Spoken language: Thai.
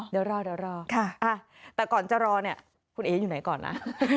เดี๋ยวรอค่ะแต่ก่อนจะรอคุณเอ๊ยอยู่ไหนก่อนนะ